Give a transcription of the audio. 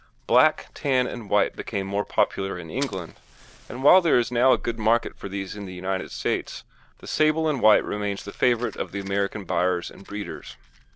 Black, tan, and white became more popular in England, and while there is now a good market for these in the United States the sable and white remains the favourite of the American buyers and breeders.